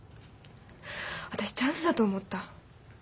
私チャンスだと思った。